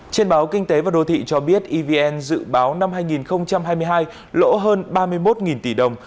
trên báo kinh tế và đô thị cho biết evn dự báo năm hai nghìn hai mươi hai lỗ hơn ba mươi một tỷ đồng